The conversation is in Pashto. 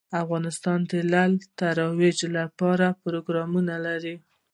افغانستان د لعل د ترویج لپاره پروګرامونه لري.